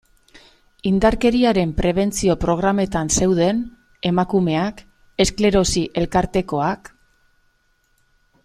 Indarkeriaren prebentzio programetan zeuden emakumeak, esklerosi elkartekoak...